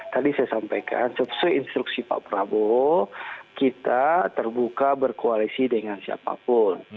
tadi saya sampaikan sesuai instruksi pak prabowo kita terbuka berkoalisi dengan siapapun